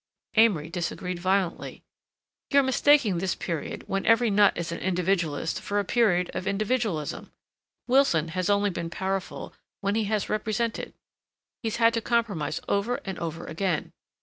Amory disagreed violently. "You're mistaking this period when every nut is an individualist for a period of individualism. Wilson has only been powerful when he has represented; he's had to compromise over and over again.